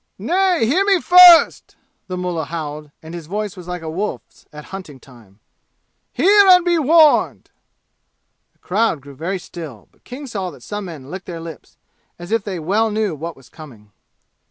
"Nay, hear me first!" the mullah howled, and his voice was like a wolf's at hunting time. "Hear, and be warned!" The crowd grew very still, but King saw that some men licked their lips, as if they well knew what was coming.